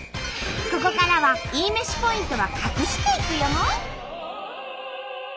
ここからはいいめしポイントは隠していくよ！